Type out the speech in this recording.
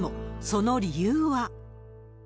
その理由は。